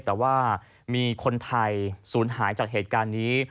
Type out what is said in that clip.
แต่ว่ามีคนไทยศูนย์หายจากเหตุการณ์นี้